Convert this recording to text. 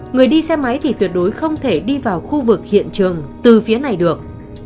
người đi xe máy thì tuyệt đối không thể đi vào khu vực hiện trường từ phía này được